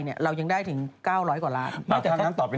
อธิบายสิทำตัวเป็นสื่อ